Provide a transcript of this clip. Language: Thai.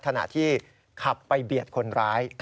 ขณะที่ขับไปเบียดคนร้าย